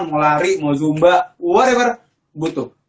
mau lari mau zumba whatever butuh